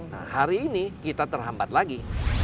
nah hari ini kita terhambat lagi